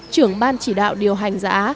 trưởng ban chỉ đạo điều hành giá